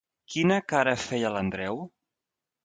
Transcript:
Quina cara feia l'Andreu?